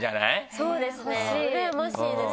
そうですねうらやましいです。